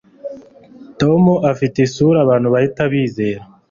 Tom afite isura abantu bahita bizera.